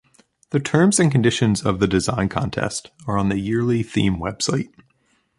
The terms and conditions of the design contest are on the yearly theme website.